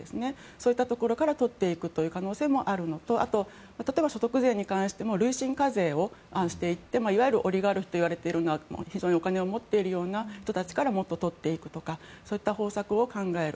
そういったところから取っていく可能性もあるのとあと、例えば所得税に関しても累進課税をしていっていわゆるオリガルヒといわれているような非常にお金を持っている人たちからもっと取っていくとかそういった方策を考える。